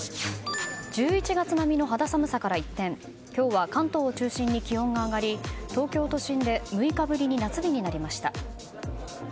１１月並みの肌寒さから一転今日は関東を中心に気温が上がり東京都心で６日ぶりに夏日になりました。